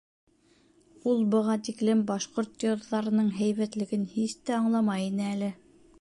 Ул быға тиклем башҡорт йырҙарының һәйбәтлеген һис тә аңламай ине әле.